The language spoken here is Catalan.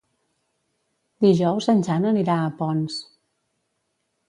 Dijous en Jan anirà a Ponts.